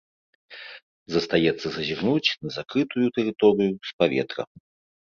Застаецца зазірнуць на закрытую тэрыторыю з паветра.